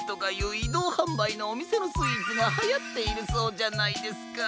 いどうはんばいのおみせのスイーツがはやっているそうじゃないですか。